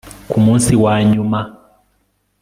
ku munsi wanyuma